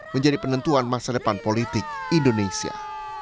menjadi penentuan masa depan politik indonesia